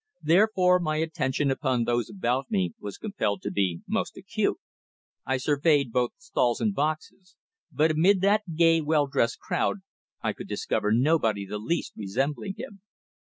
Therefore my attention upon those about me was compelled to be most acute. I surveyed both stalls and boxes, but amid that gay, well dressed crowd I could discover nobody the least resembling him.